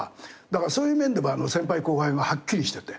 だからそういう面でも先輩後輩ははっきりしてて。